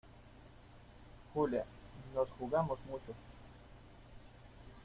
Julia, nos jugamos mucho.